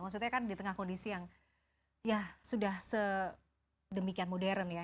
maksudnya kan di tengah kondisi yang ya sudah sedemikian modern ya